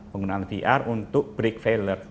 penggunaan vr untuk break failer